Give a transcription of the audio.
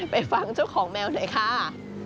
ไปฟังเจ้าของแมวหน่อยค่ะ